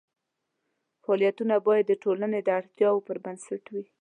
فعالیتونه باید د ټولنې د اړتیاوو پر بنسټ وي.